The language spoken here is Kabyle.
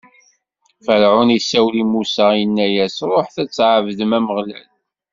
Ferɛun isawel i Musa, inna-as: Ṛuḥet Ad tɛebdem Ameɣlal.